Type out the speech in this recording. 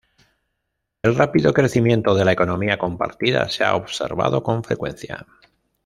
El rápido crecimiento de la economía compartida se ha observado con frecuencia.